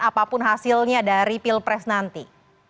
apapun hasilnya dari pilpres nanti